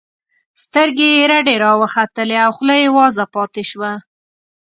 سترګې یې رډې راوختلې او خوله یې وازه پاتې شوه